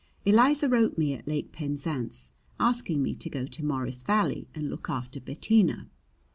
Eliza wrote me at Lake Penzance asking me to go to Morris Valley and look after Bettina.